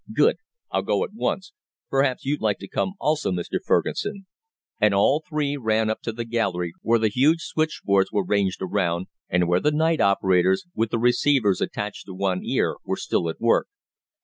"Good. I'll go at once. Perhaps you'd like to come also, Mr. Fergusson?" And all three ran up to the gallery, where the huge switchboards were ranged around, and where the night operators, with the receivers attached to one ear, were still at work.